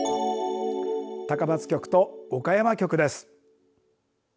高松局と岡山局です。